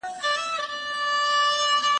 د زنبق په بڼه